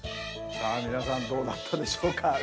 さあ皆さんどうだったでしょうか？